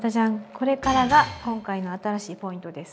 これからが今回の新しいポイントです。